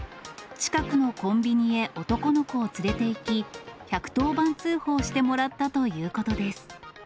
近くのコンビニへ男の子を連れていき、１１０番通報してもらったということです。